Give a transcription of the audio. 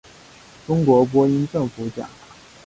中国播音政府奖。